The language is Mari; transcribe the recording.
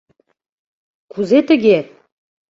«Кузе тыге?